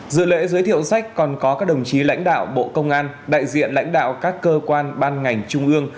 dự lễ giới thiệu sách còn có các đồng chí lãnh đạo bộ công an đại diện lãnh đạo các cơ quan ban ngành trung ương